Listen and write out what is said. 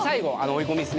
追い込み